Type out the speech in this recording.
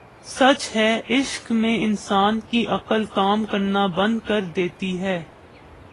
سچ ہے عشق میں انسان کی عقل کام کرنا بند کر دیتی ہے